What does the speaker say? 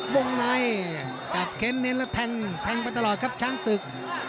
วงในจับเค้นเน้นแล้วแทงแทงไปตลอดครับช้างศึก